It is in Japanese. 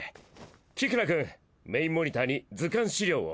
キクナくんメインモニターに図鑑資料を。